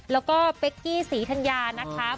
แล้วก็เป๊กกี้ศรีธัญญานะคะ